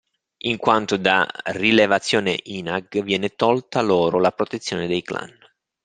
In quanto, da Rilevazione INAG, viene tolta loro la protezione dei clan.